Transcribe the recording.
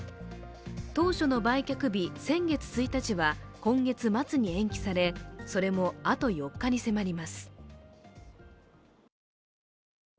当初の売却日、先月１日は今月末に延期され、それもあと４日に迫ります。